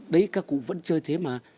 đấy các cụ vẫn chơi thế mà